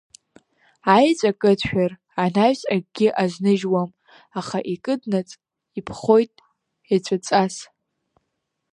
Аеҵәа кыдшәар, анаҩс акгьы азныжьуам, аха икыднаҵ иԥхоит еҵәаҵас.